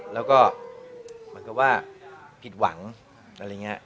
แล้วก็เหมือนกับว่าผิดหวังอะไรอย่างนี้